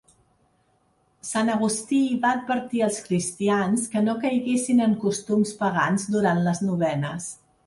Sant Agustí va advertir als cristians que no caiguessin en costums pagans durant les novenes.